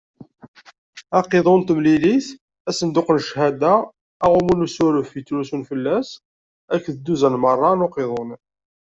Aqiḍun n temlilit, asenduq n cchada, aɣummu n usuref yettrusun fell-as akked dduzan meṛṛa n uqiḍun.